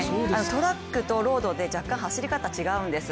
トラックとロードで若干走り方、違うんです。